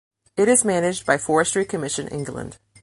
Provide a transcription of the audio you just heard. It is managed by Forestry Commission England.